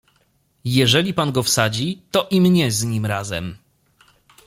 "Jeżeli pan go wsadzi, to i mnie z nim razem."